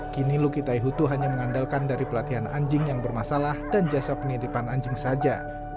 kini luki taihutu hanya mengandalkan dari pelatihan anjing yang bermasalah dan jasa penitipan anjing saja